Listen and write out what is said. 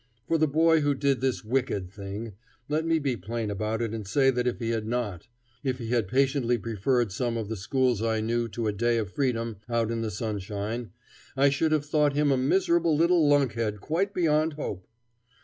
For the boy who did this wicked thing let me be plain about it and say that if he had not; if he had patiently preferred some of the schools I knew to a day of freedom out in the sunshine, I should have thought him a miserable little lunkhead quite beyond hope!